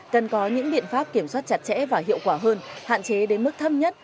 cần có những biện pháp kiểm soát chặt chẽ và hiệu quả hơn hạn chế đến mức thấp nhất